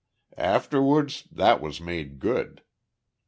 "Afterwards that was made good."